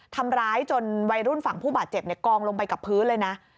ทำร้ายจนวัยรุ่นฝั่งผู้บาดเจ็บกองลงไปกับพื้นเลยนะ